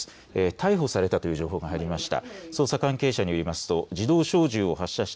逮捕されたという情報が入りました。